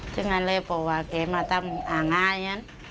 ซึ่งก็เลยโปรวาเกตมาทำอ่างงานนั้น